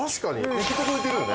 行き届いてるよね。